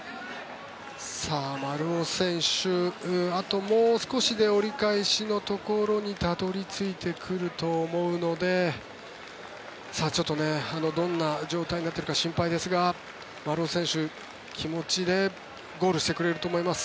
丸尾選手、あともう少しで折り返しのところにたどり着いてくると思うのでどんな状態になっているか心配ですが、丸尾選手気持ちでゴールしてくれると思います。